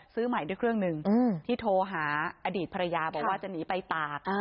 ซื้อใหม่ด้วยเครื่องหนึ่งที่โทรหาอดีตภรรยาบอกว่าจะหนีไปตาก